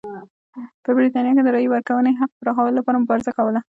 په برېټانیا کې یې د رایې ورکونې حق پراخولو لپاره مبارزه کوله.